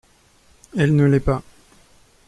Elle ne l'est pas.